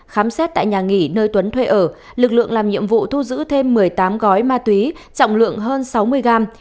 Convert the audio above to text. khám xét tại nhà nghỉ nơi tuấn thuê ở lực lượng làm nhiệm vụ thu giữ thêm một mươi tám gói ma túy trọng lượng hơn sáu mươi gram